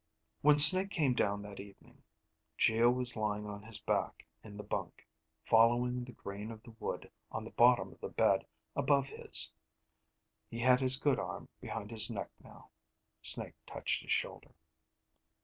When Snake came down that evening, Geo was lying on his back in the bunk, following the grain of the wood on the bottom of the bed above his. He had his good arm behind his neck now. Snake touched his shoulder.